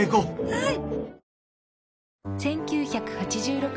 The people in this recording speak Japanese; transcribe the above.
はい。